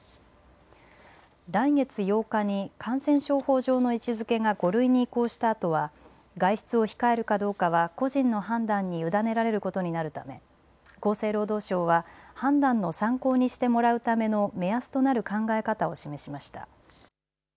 来月８日に感染症法上の位置づけが５類に移行したあとは外出を控えるかどうかは個人の判断に委ねられることになるため厚生労働省は判断の参考にしてもらうための目安となる考え方を示しました。